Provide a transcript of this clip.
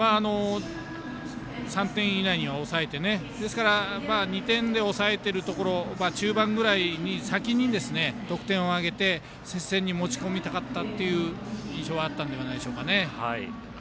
３点以内には抑えて２点で抑えているところは中盤ぐらいに先に得点を挙げて接戦に持ち込みたかったという印象があったのではないでしょうか。